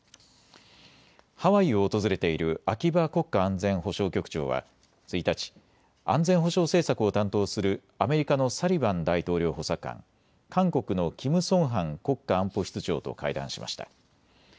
ハワイを訪れている秋葉国家安全保障局長は１日、安全保障政策を担当するアメリカのサリバン大統領補佐官、韓国のキム・ソンハン国家安保室長と会談しました。